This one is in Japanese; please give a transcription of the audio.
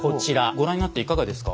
ご覧になっていかがですか？